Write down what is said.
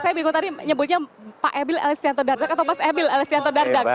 saya bingung tadi nyebutnya pak emil elestianto dardang atau mas emil elestianto dardang